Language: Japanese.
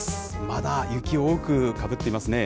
まだ雪多くかぶっていますね。